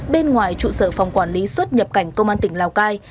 bên ngoài trụ sở phòng quản lý xuất nhập cảnh công an tỉnh lào cai